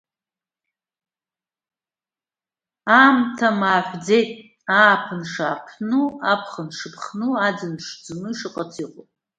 Аамҭа мааҳәӡеит, ааԥын шааԥну, аԥхын шыԥхну, аӡын шӡну ишыҟац иҟоуп.